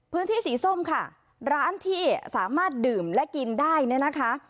พื้นที่สีส้มค่ะร้านที่สามารถดื่มและกินได้เนี่ยนะคะ